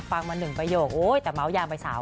ฟังมาหนึ่งประโยคโอ๊ยแต่เม้ายามไปสาว